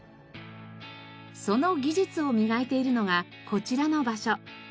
その技術を磨いているのがこちらの場所。